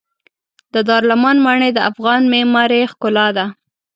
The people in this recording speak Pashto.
د دارالامان ماڼۍ د افغان معمارۍ ښکلا ده.